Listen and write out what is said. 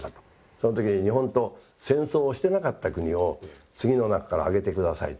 その時に日本と戦争してなかった国を次の中から挙げて下さいと。